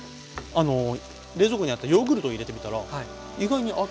冷蔵庫にあったヨーグルトを入れてみたら意外に合って。